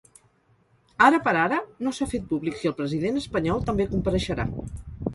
Ara per ara, no s’ha fet públic si el president espanyol també compareixerà.